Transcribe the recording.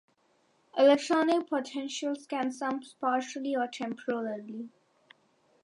Electrotonic potentials can sum spatially or temporally.